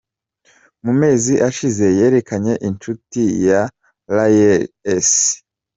Mu mezi ashize yerekanye inshuti ye Lael S.